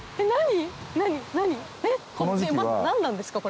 何なんですか？